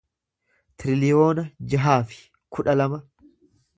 tiriliyoona jaha fi kudha lama